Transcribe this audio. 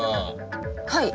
はい。